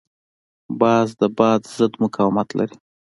باز د باد ضد مقاومت لري